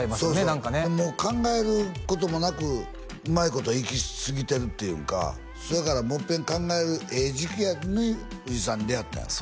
何かねもう考えることもなくうまいこといきすぎてるっていうかそやからもう一遍考えるええ時期に藤井さんに出会ったんやろ？